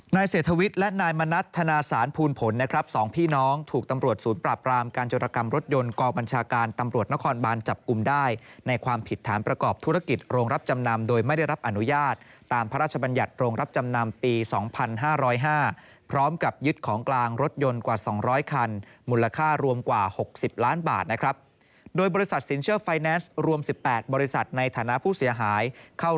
นายเศรษฐวิทย์และนายมณัติธนาสารภูมิผลนะครับสองพี่น้องถูกตำรวจศูนย์ปราบรามการจดกรรมรถยนต์กองบัญชาการตำรวจนครบานจับกลุ้มได้ในความผิดฐานประกอบธุรกิจโรงรับจำนำโดยไม่ได้รับอนุญาตตามพระราชบัญญัติโรงรับจำนำปี๒๕๐๕พร้อมกับยึดของกลางรถยนต์กว่า๒๐๐คันมูลค่